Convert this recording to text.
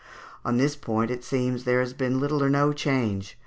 On this point it seems that there has been little or no change.